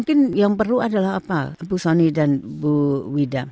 dan yang perlu adalah apa bu soni dan bu wida